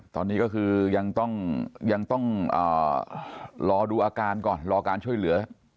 ตอนนี้ก็คือยังต้องรอดูอาการก่อนรอการช่วยเหลือ